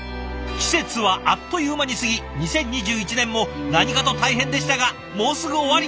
季節はあっという間に過ぎ２０２１年も何かと大変でしたがもうすぐ終わり。